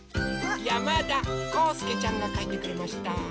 やまだこうすけちゃんがかいてくれました。